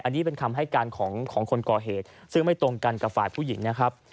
อันนี้เป็นคำให้การของคนก่อเหตุซึ่งไม่ตรงกันกับฝ่ายผู้หญิงนะครับ